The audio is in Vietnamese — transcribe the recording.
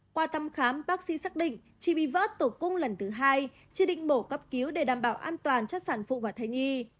qua tâm khám bác sĩ xác định chị bị vỡ tủ cung lần thứ hai chỉ định bổ cấp cứu để đảm bảo an toàn cho sản phụ và thầy nhi